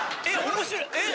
面白いえっ？